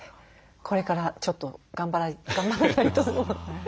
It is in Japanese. これからちょっと頑張らないと。